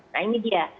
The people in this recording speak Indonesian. nah ini dia